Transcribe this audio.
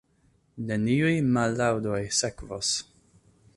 Neniuj mallaŭdoj sekvos.